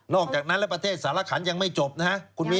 อกจากนั้นและประเทศสารขันยังไม่จบนะคุณมิ้น